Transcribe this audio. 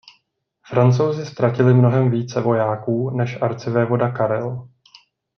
Francouzi ztratili mnohem více vojáků než arcivévoda Karel.